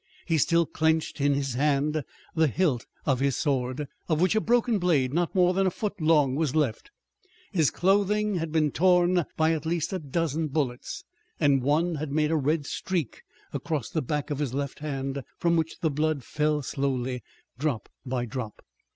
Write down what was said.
He still clenched in his hand the hilt of his sword, of which a broken blade not more than a foot long was left. His clothing had been torn by at least a dozen bullets, and one had made a red streak across the back of his left hand, from which the blood fell slowly, drop by drop.